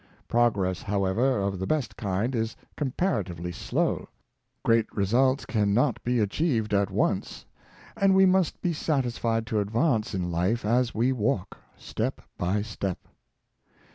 Progress, however, of the best kind, is comparative ly slow. Great results can not be achieved at once; and we must be satisfied to advance in life as we walk, step by step.